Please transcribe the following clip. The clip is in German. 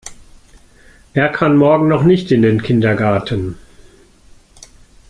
Er kann morgen noch nicht in den Kindergarten.